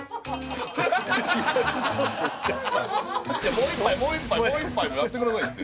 もう１杯もう１杯もやってくださいって。